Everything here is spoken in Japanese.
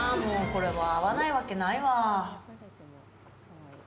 これは合わないわけないわ。